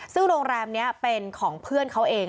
ซึ่งโรงแรมนี้เป็นของเพื่อนเขาเอง